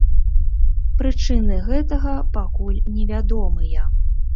Прычыны гэтага пакуль невядомыя.